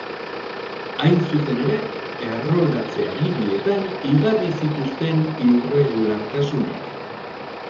Hain zuzen ere, erroldatze-agirietan igarri zituzten irregulartasunak.